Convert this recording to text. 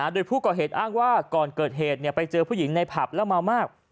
โดยผู้ก่อเหตุอ้างว่าก่อนเกิดเหตุไปเจอผู้หญิงในผับแล้วเมามาก